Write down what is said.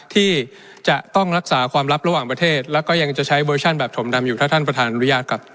ที่จะต้องรักษาความลับระหว่างประเทศแล้วก็ยังจะใช้เวอร์ชั่นแบบถมดำอยู่ถ้าท่านประธานอนุญาตครับ